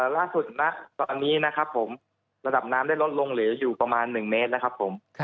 ล่าสุดณตอนนี้นะครับผมระดับน้ำได้ลดลงเหลืออยู่ประมาณ๑เมตรนะครับผม